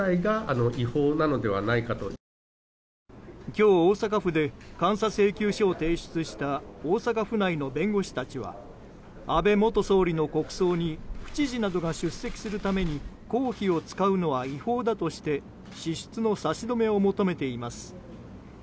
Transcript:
今日、大阪府で監査請求書を提出した大阪府内の弁護士たちは安倍元総理の国葬に府知事などが出席するために公費を使うのは違法だとして支出の差し止めを求めています。